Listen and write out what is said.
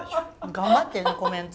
頑張ってんのコメント。